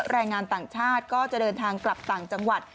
แรงงานต่างชาติก็จะเดินทางกลับต่างจังหวัด